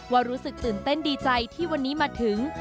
รู้สึกตื่นเต้นดีใจที่วันนี้มาถึง